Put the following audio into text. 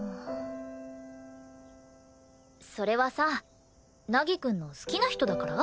それはさ凪くんの好きな人だから？